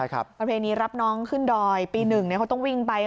ประเภทนี้รับน้องขึ้นดอยปี๑เนี่ยเขาต้องวิ่งไป